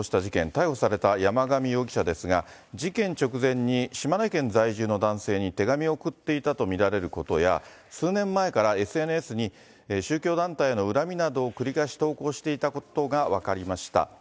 逮捕された山上容疑者ですが、事件直前に、島根県在住の男性に手紙を送っていたと見られることや、数年前からＳＮＳに、宗教団体への恨みなどを繰り返し投稿していたことが分かりました。